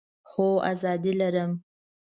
هو، آزادي لرم